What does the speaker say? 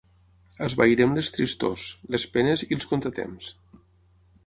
Esvairem les tristors, les penes i els contratemps.